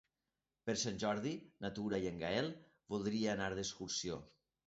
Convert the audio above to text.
Per Sant Jordi na Tura i en Gaël voldria anar d'excursió.